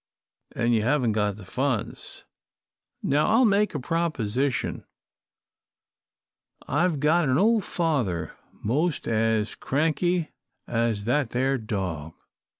And you haven't got the funds. Now I'll make a proposition. I've got an old father 'most as cranky as that there dog.